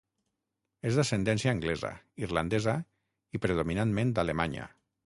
És d'ascendència anglesa, irlandesa i predominantment alemanya.